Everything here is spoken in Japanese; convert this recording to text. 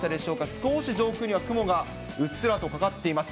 少し上空には雲がうっすらとかかっています。